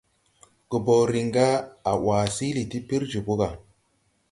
Goboo riŋ ga a ʼwaa siili ti pir jòbō ga.